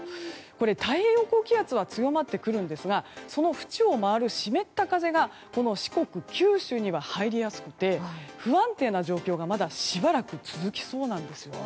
太平洋高気圧は強まってくるんですがその縁を回る湿った風が四国・九州には入りやすくて不安定な状況がまだしばらく続きそうなんですよね。